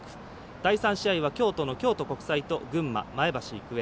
第３試合は京都の京都国際と群馬の前橋育英。